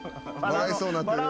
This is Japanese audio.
笑いそうになってるよ